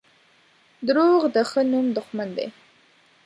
• دروغ د ښه نوم دښمن دي.